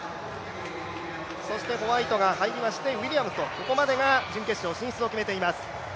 ホワイトが入りましてウィリアムズと、ここまでが準決勝進出を決めています。